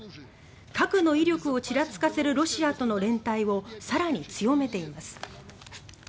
核の威力をちらつかせるロシアとの連帯を更に強めています。